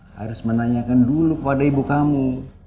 harus menanyakan dulu pada ibu kamu